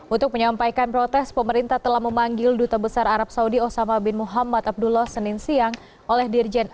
untuk menyampaikan protes pemerintah telah memanggil duta besar arab saudi osama bin muhammad abdullah senin siang oleh dirjen